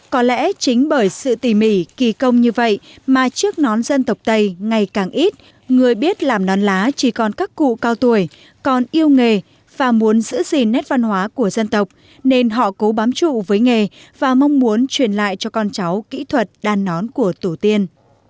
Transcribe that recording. có lẽ chính bởi sự tỉ mỉ kỳ công như vậy mà chiếc nón dân tộc tây ngày càng ít người biết làm nón lá chỉ còn các cụ cao tuổi còn yêu nghề và muốn giữ gìn nét văn hóa của dân tộc nên họ cố bám trụ với nghề và mong muốn truyền lại cho con cháu kỹ thuật đàn nón của tổ tiên